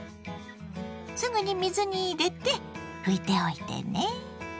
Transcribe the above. すぐに水に入れて拭いておいてね。